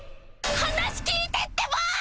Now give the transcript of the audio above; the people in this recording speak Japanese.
話聞いてってば！